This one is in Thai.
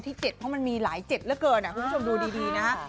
เพราะมันมีหลาย๗เพราะผู้ชมดูดีนะ